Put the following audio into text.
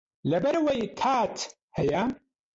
لەبەر ئەوەی تات هەیە